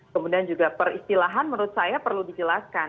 kemudian juga peristilahan menurut saya perlu dijelaskan